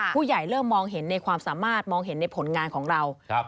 เริ่มมองเห็นในความสามารถมองเห็นในผลงานของเรา